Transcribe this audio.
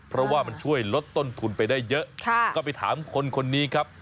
เพราะว่ามันช่วยลดต้นทุนไปได้เยอะก็ไปถามคนนี้ครับ